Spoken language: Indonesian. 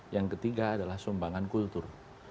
yang ketiga adalah sumbangan kultur